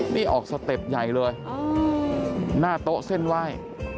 นี่ออกสเต็ปใหญ่เลยหน้าโต๊ะเส้นไหว้